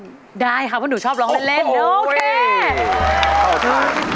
วิ้มที่๖